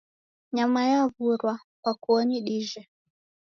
Nyama yaw'urwa, pakuonyi dijhe